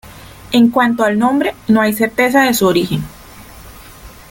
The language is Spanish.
En cuanto al nombre no hay certeza de su origen.